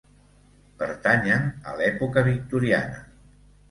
Pertanyen a l'època victoriana.